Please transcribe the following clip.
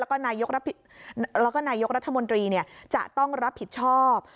แล้วก็นายกรัฐมนตรีจะต้องรับผิดชอบ